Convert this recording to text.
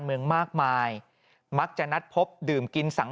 ปี๖๕วันเกิดปี๖๔ไปร่วมงานเช่นเดียวกัน